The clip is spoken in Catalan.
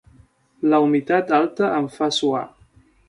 La humitat alta em fa suar.